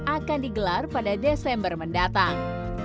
akan digelar pada desember mendatang